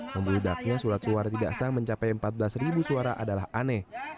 membudaknya sulat suara tidak sah mencapai empat belas ribu suara adalah aneh